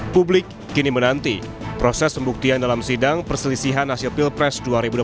publik kini menanti proses pembuktian dalam sidang perselisihan hasil pilpres dua ribu dua puluh